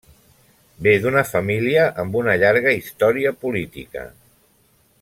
Ve d'una família amb una llarga història política.